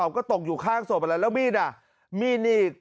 ก็ตกอยู่ข้างสวบละแล้วมีดนี้